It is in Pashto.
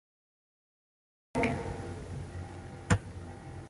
🦋 پتنګ